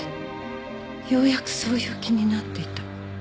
ようやくそういう気になっていた。